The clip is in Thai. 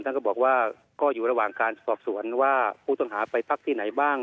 ก็บอกว่าก็อยู่ระหว่างการสอบสวนว่าผู้ต้องหาไปพักที่ไหนบ้าง